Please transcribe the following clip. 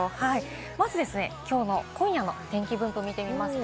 まず、きょうの今夜の天気分布を見てみます。